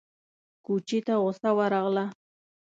کوچي ته غوسه ورغله!